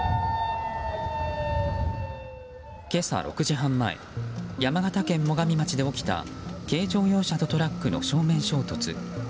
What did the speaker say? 今朝６時半前山形県最上町で起きた軽乗用車とトラックの正面衝突。